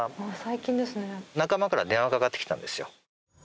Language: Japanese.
仲間から電話かかってきたんですよ。